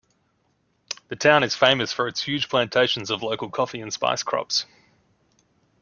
The town is famous for its huge plantations of local coffee and spice crops.